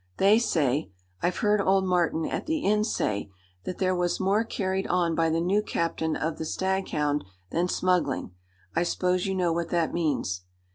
They say I've heard old Martin at the inn say that there was more carried on by the new captain of the Staghound than smuggling. I s'pose you know what that means?"